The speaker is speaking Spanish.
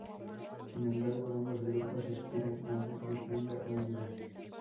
Sin embargo, ambos grupos aspiran a una Irlanda unida.